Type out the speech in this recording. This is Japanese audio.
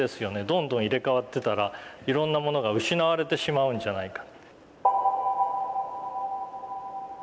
どんどん入れ替わってたらいろんなものが失われてしまうんじゃないか。